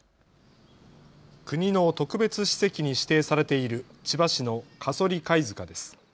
国の特別史跡に指定されている千葉市の加曽利貝塚です。